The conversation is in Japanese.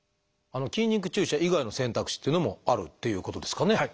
筋肉注射以外の選択肢っていうのもあるっていうことですかね？